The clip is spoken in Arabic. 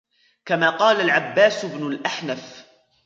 كَمَا قَالَ الْعَبَّاسُ بْنُ الْأَحْنَفِ